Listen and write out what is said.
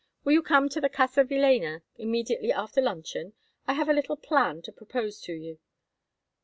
Will you come to the Casa Villéna immediately after luncheon? I have a little plan to propose to you."